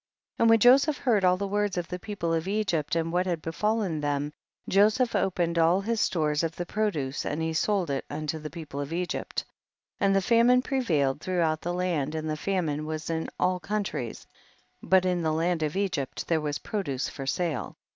27. And when Joseph heard all the words of the people of Egypt and what had befallen them, Joseph opened all his stores of the produce and he sold it unto the people of Egypt. 28. And the famine prevailed throughout the land, and the famine was in all countries, but in the land of Egypt there was produce for sale.